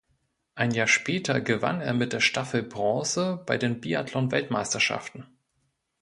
Ein Jahr später gewann er mit der Staffel Bronze bei den Biathlon-Weltmeisterschaften.